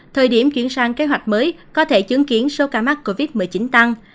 thời điểm chuyển sang kế hoạch mới có thể chứng kiến số ca mắc covid một mươi chín tăng